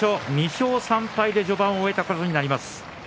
２勝３敗で序盤を終えたことになります。